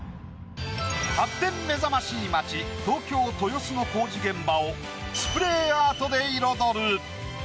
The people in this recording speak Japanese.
発展目覚ましい街東京・豊洲の工事現場をスプレーアートで彩る。